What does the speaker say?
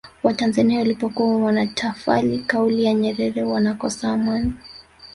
watanzania walipokuwa wanatafali kauli ya nyerere wanakosa amani